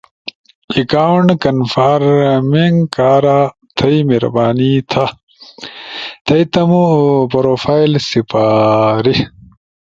اکاونٹ کنفارمنگ کارا تھئی مہربانی تھا، تھیم تمو پروفائل سپاری۔